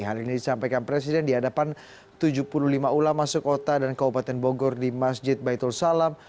hal ini disampaikan presiden di hadapan tujuh puluh lima ulama sekota dan kabupaten bogor di masjid baitul salam